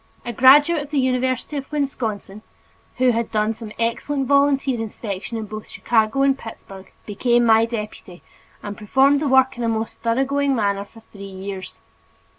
A graduate of the University of Wisconsin, who had done some excellent volunteer inspection in both Chicago and Pittsburg, became my deputy and performed the work in a most thoroughgoing manner for three years.